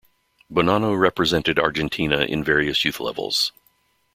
Bonano represented Argentina in various youth levels.